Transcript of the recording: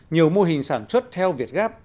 nhiều mô hình sản xuất theo việt gap